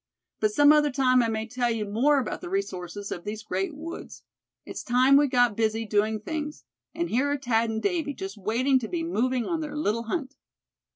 But some other time I may tell you more about the resources of these great woods. It's time we got busy doing things; and here are Thad and Davy just waiting to be moving on their little hunt."